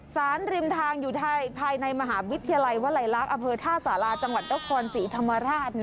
ริมทางอยู่ภายในมหาวิทยาลัยวลัยลักษณ์อำเภอท่าสาราจังหวัดนครศรีธรรมราช